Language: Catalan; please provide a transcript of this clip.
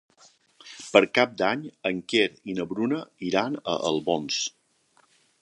Per Cap d'Any en Quer i na Bruna iran a Albons.